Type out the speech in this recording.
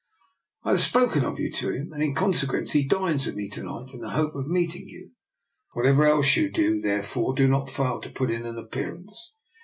I have spoken of you to him, and in conse quence he dines with me to night in the hope of meeting you. Whatever else you do, therefore, do not fail to put in an appearance.